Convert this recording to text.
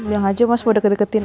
yang aja mas mau deketin